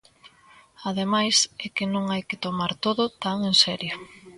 Ademais, é que non hai que tomar todo tan en serio.